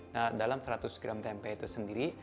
nah dalam seratus gram tempe itu sendiri